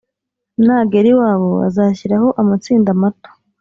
nagera iwabo azashyiraho amatsinda mato